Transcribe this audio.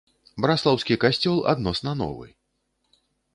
Браслаўскі касцёл адносна новы.